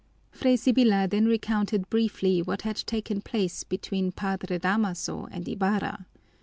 Fray Sibyla then recounted briefly what had taken place between Padre Damaso and Ibarra.